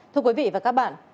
thưa quý vị và các bạn